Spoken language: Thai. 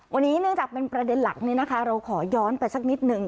วันนี้เนื่องจากเป็นประเด็นหลักนี้นะคะเราขอย้อนไปสักนิดนึง